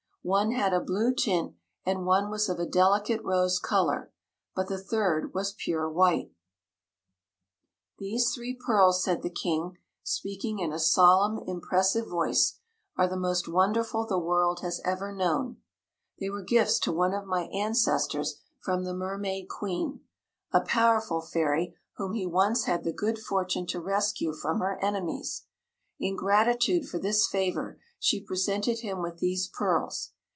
One had a blue tint and one was of a delicate rose color, but the third was pure white. "These three pearls," said the King, speaking in a solemn, impressive voice, "are the most wonderful the world has ever known. They were gifts to one of my ancestors from the Mermaid Queen, a powerful fairy whom he once had the good fortune to rescue from her enemies. In gratitude for this favor she presented him with these pearls.